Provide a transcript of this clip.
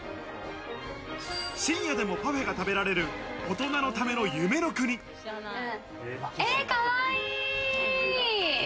深夜でもパフェが食べられる、大人のための夢の国。えかわいい。